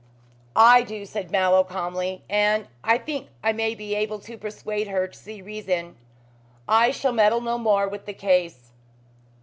"I do," said Mallow calmly, "and I think I may be able to persuade her to see reason. I shall meddle no more with the case."